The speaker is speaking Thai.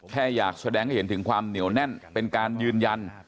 แค่อยากแสดงให้เห็นถึงความเหนียวแน่นเป็นการยืนยัน